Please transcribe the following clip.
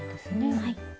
はい。